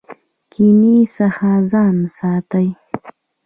کینې څخه ځان ساتئ